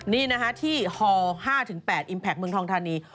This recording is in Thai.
นี่นะคะที่ฮ๕๘อิมแพคเมืองทองทานี